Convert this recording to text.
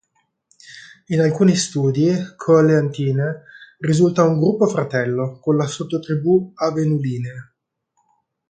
In alcuni studi Coleanthinae risulta "gruppo fratello" con la sottotribù Avenulinae.